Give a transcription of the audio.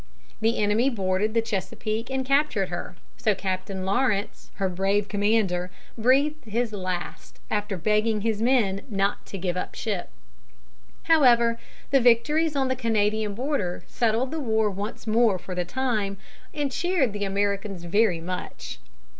The enemy boarded the Chesapeake and captured her, so Captain Lawrence, her brave commander, breathed his last, after begging his men not to give up the ship. However, the victories on the Canadian border settled the war once more for the time, and cheered the Americans very much.